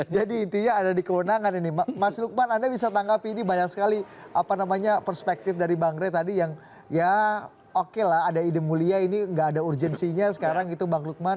jadi intinya ada di kewenangan ini mas lukman anda bisa tanggapi ini banyak sekali perspektif dari bang rey tadi yang ya oke lah ada ide mulia ini nggak ada urgensinya sekarang itu bang lukman